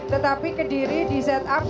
tetapi kediri di set up